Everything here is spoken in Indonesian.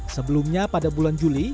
sebelumnya pada bulan juli